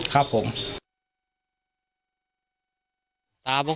กิจงานด้วย